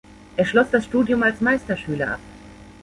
Er schloss das Studium als Meisterschüler ab.